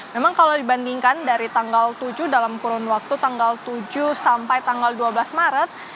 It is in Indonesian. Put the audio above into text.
memang kalau dibandingkan dari tanggal tujuh dalam kurun waktu tanggal tujuh sampai tanggal dua belas maret